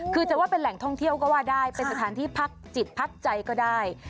คือจะว่าเป็นแหล่งท่องเที่ยวก็ว่าได้เป็นสถานที่พักจิตพักใจก็ได้